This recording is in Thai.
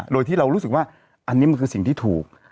โดยที่เรารู้สึกว่าอันนี้มันคือสิ่งที่ถูก